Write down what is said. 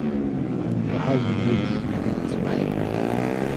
The high humidity is making me sweat.